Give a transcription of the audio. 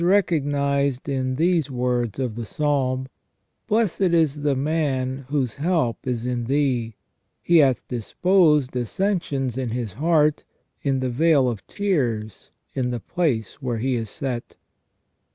recognized in these words of the Psalm :" Blessed is the man whose help is in Thee : he hath disposed ascensions in his heart, in the vale of tears, in the place where he is set